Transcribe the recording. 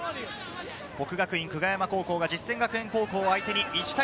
國學院久我山高校が実践学園高校を相手に１対０。